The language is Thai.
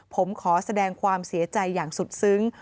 ผมขอแสดงความเสียใจอย่างสุดซึ้ง